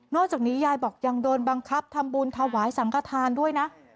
จากนี้ยายบอกยังโดนบังคับทำบุญถวายสังขทานด้วยนะ